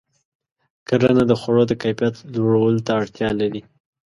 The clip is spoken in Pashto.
کرنه د خوړو د کیفیت لوړولو ته اړتیا لري.